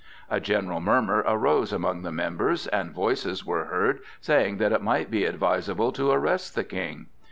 A general murmur arose among the members, and voices were heard saying that it might be advisable to arrest the King.